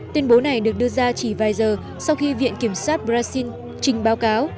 tuyên bố này được đưa ra chỉ vài giờ sau khi viện kiểm sát brazil trình báo cáo